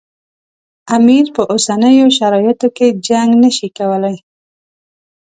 امیر په اوسنیو شرایطو کې جنګ نه شي کولای.